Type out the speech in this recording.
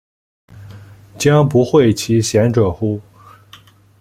将不讳其嫌者乎？